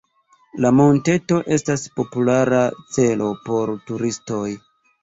La monteto estas populara celo por turistoj.